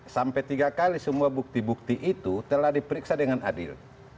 sampai tiga kali semua bukti bukti itu telah diperiksa dengan adil